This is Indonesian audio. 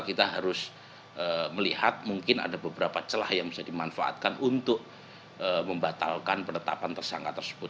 kita harus melihat mungkin ada beberapa celah yang bisa dimanfaatkan untuk membatalkan penetapan tersangka tersebut